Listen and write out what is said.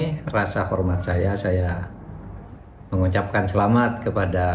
ini rasa hormat saya saya mengucapkan selamat kepada